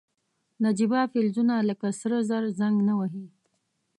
نجیبه فلزونه لکه سره زر زنګ نه وهي.